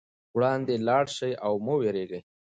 وړاندې لاړ شئ او مه وېرېږئ.